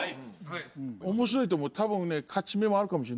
はい面白いと思う多分ね